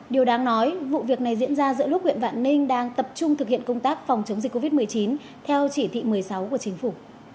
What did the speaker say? điều đáng nói vụ việc này diễn ra giữa lúc huyện vạn ninh đang tập trung thực hiện công tác phòng chống dịch covid một mươi chín theo chỉ thị một mươi sáu của chính phủ